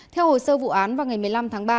theo hồ sơ vụ án vào ngày một mươi năm tháng ba